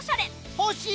欲しい！